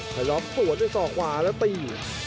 ถ่ายรอบส่วนด้วยส่อขวาแล้วตี